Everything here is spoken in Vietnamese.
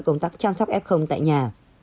công tác trang sắp f tại nhà